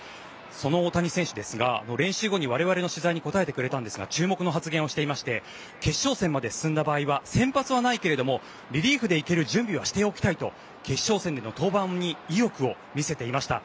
その大谷選手ですが練習後に我々の取材に答えてくれたんですが注目の発言をしていまして決勝戦まで進んだ場合は先発ではないけれどもリリーフで行ける準備はしておきたいと決勝戦での登板に意欲を見せていました。